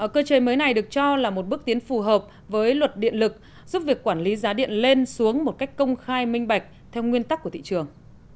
cơ chế mới này được cho là một bước tiến phù hợp với luật điện lực giúp việc quản lý giá điện lên xuống một cách công khai minh bạch theo nguyên tắc của thị trường